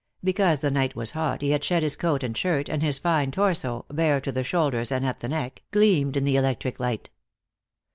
Because the night was hot he had shed coat and shirt, and his fine torso, bare to the shoulders and at the neck, gleamed in the electric light.